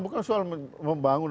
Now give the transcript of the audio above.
bukan soal membangun